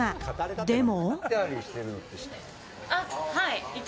でも。